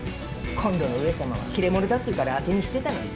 今度の上様は切れ者だっていうから当てにしてたのに。